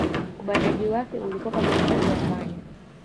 Ubanaji wake ulikuwa kama mtego wa panya